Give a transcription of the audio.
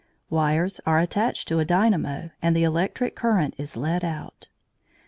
Wires are attached to a dynamo and the electric current is led out.